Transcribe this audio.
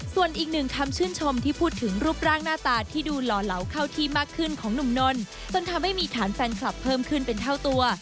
ส่วนอีกหนึ่งคำชื่นชมที่พูดถึงรูปร่างหน้าตาที่ดูหล่อเหลาเข้าที่มากขึ้นของหนุ่มนนท์จนทำให้มีฐานแฟนคลับเพิ่มขึ้นเป็นเท่าตัว